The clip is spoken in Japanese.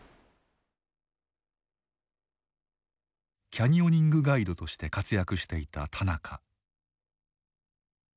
キャニオニングガイドとして活躍していた田中。